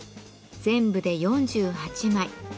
全部で４８枚